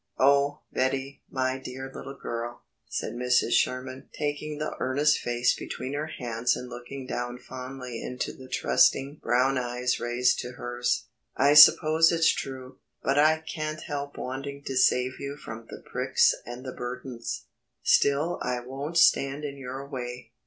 '" "Oh, Betty, my dear little girl," said Mrs. Sherman taking the earnest face between her hands and looking down fondly into the trusting brown eyes raised to hers. "I suppose it's true, but I can't help wanting to save you from the pricks and the burdens. Still I won't stand in your way.